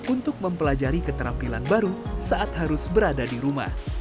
untuk mempelajari keterampilan baru saat harus berada di rumah